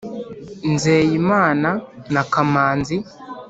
nzeyimana na kamanzi